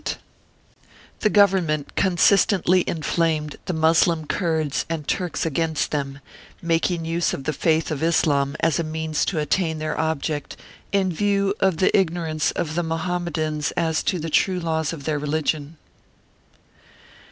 Martyred Armenia n The Government consistently inflamed the Moslem Kurds and Turks against them, making use of the Faith of Islam as a means to attain their object in view of the ignorance of the Mohamme dans as to the true, laws of their religion.